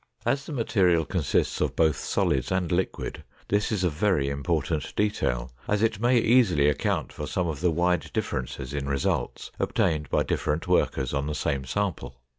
As the material consists of both solids and liquid, this is a very important detail, as it may easily account for some of the wide differences in results obtained by different workers on the same sample.